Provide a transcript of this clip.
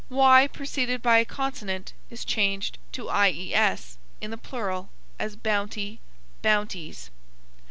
Y preceded by a consonant is changed to ies in the plural; as bounty, bounties.